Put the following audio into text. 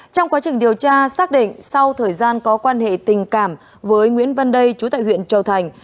trong quá trình điều tra xác định sau thời gian có quan hệ tình cảm với nguyễn văn đây chú tại huyện châu thành